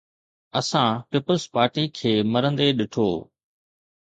اسان پيپلز پارٽي کي مرندي ڏٺو.